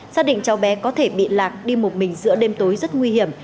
xác định cháu bé có thể bị lạc đi một mình giữa đêm tối rất nguy hiểm